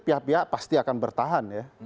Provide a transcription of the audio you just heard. pihak pihak pasti akan bertahan ya